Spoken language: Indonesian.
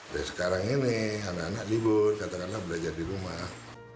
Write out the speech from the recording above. dari sekarang ini anak anak libur katakanlah belajar di rumah